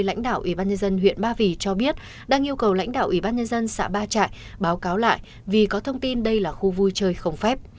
vị lãnh đạo ubnd huyện ba vì cho biết đang yêu cầu lãnh đạo ubnd xã ba trại báo cáo lại vì có thông tin đây là khu vui chơi không phép